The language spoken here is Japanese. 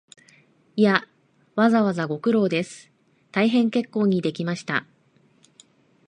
いや、わざわざご苦労です、大変結構にできました